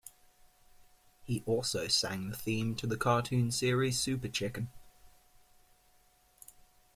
He also sang the theme to the cartoon series Super Chicken.